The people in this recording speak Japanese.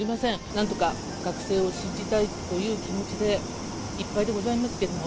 なんとか学生を信じたいという気持ちでいっぱいでございますけれども。